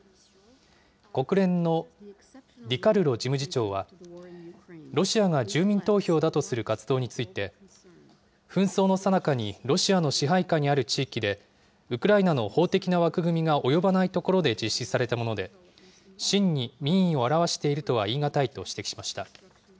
国連のディカルロ事務次長は、ロシアが住民投票だとする活動について、紛争のさなかにロシアの支配下にある地域で、ウクライナの法的な枠組みが及ばないところで実施されたもので、真に民意を表しているとは言い難いと指摘しました。